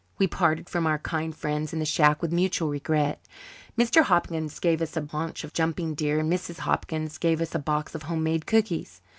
We parted from our kind friends in the shack with mutual regret. Mr. Hopkins gave us a haunch of jumping deer and Mrs. Hopkins gave us a box of home made cookies.